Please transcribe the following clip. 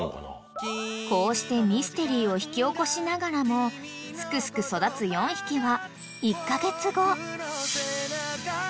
［こうしてミステリーを引き起こしながらもすくすく育つ４匹は］